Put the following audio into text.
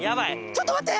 ちょっと待って！